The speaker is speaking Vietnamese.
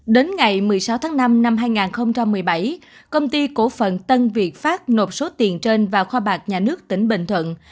đến ngày một mươi sáu tháng năm năm hai nghìn một mươi bảy công ty cổ phận tân việt pháp nộp số tiền trên vào kho bạc nhà nước tỉnh bình thuận